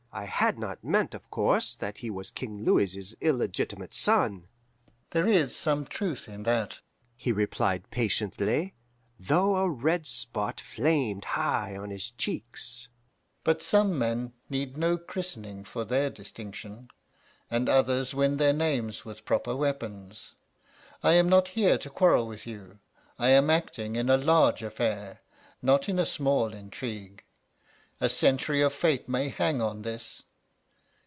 I had not meant, of course, that he was King Louis's illegitimate son. "'There is some truth in that,' he replied patiently, though a red spot flamed high on his cheeks. 'But some men need no christening for their distinction, and others win their names with proper weapons. I am not here to quarrel with you. I am acting in a large affair, not in a small intrigue; a century of fate may hang on this.